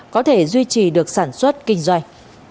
có thể duy trì được sản xuất kinh doanh